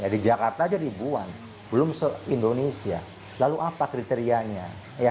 di jakarta aja ribuan belum se indonesia lalu apa kriterianya